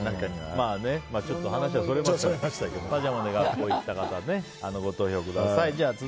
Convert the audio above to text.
話はそれましたけどパジャマで学校行った方ご投票ください。